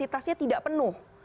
karena kapasitasnya tidak penuh